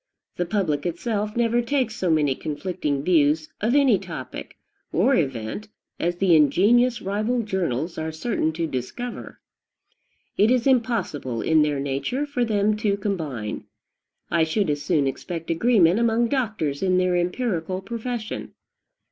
The public itself never takes so many conflicting views of any topic or event as the ingenious rival journals are certain to discover. It is impossible, in their nature, for them to combine. I should as soon expect agreement among doctors in their empirical profession.